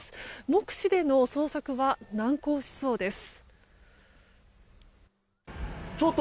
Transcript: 目視での捜索は難航しそうです。